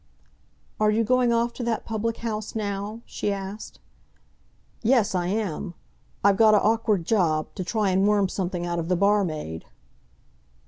"Are you going off to that public house now?" she asked. "Yes, I am. I've got a awk'ard job—to try and worm something out of the barmaid."